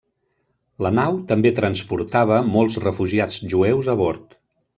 La nau també transportava molts refugiats jueus a bord.